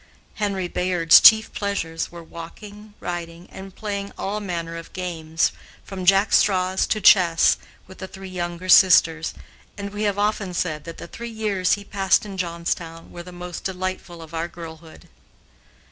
Henry Bayard's chief pleasures were walking, riding, and playing all manner of games, from jack straws to chess, with the three younger sisters, and we have often said that the three years he passed in Johnstown were the most delightful of our girlhood.